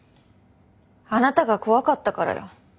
あなたが怖かったからよ。